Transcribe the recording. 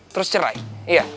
terus cerai iya